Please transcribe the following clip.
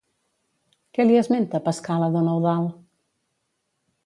Què li esmenta Pascal a don Eudald?